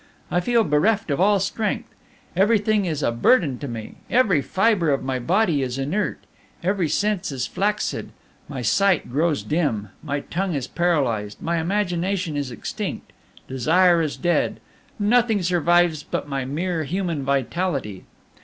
I feel bereft of all strength. Everything is a burden to me; every fibre of my body is inert, every sense is flaccid, my sight grows dim, my tongue is paralyzed, my imagination is extinct, desire is dead nothing survives but my mere human vitality.